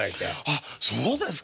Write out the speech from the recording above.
あっそうですか。